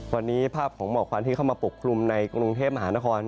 วันนี้ภาพของหมอกควันที่เข้ามาปกคลุมในกรุงเทพมหานคร